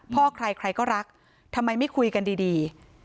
พ่อใครใครก็รักทำไมไม่คุยกันดี